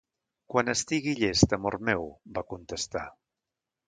"Quan estigui llest, amor meu," va contestar.